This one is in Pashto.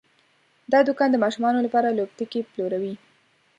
دا دوکان د ماشومانو لپاره لوبتکي پلوري.